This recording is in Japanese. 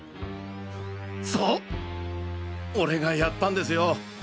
そう俺がやったんですよ。